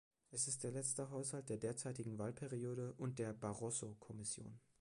Es ist der letzte Haushalt der derzeitigen Wahlperiode und der Barroso-Kommission.